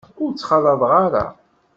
Ur tt-ttxalaḍ ara.